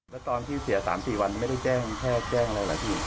แล้วตอนที่เสีย๓๔วันนี้ไม่ได้แจ้งแพทย์แจ้งอะไรเหรอพี่